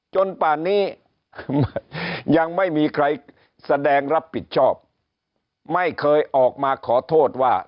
ป่านนี้ยังไม่มีใครแสดงรับผิดชอบไม่เคยออกมาขอโทษว่า